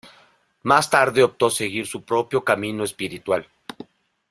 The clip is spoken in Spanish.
Más tarde optó seguir su propio camino espiritual.